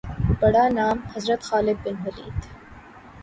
بڑا نام حضرت خالد بن ولید